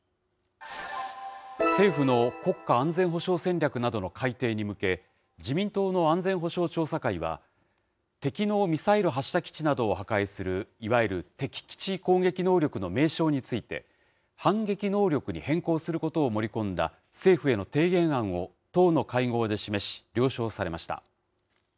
政府の国家安全保障戦略などの改定に向け、自民党の安全保障調査会は、敵のミサイル発射基地などを破壊するいわゆる敵基地攻撃能力の名称について、反撃能力に変更することを盛り込んだ政府への提言案を党の会合で示し、了承されました。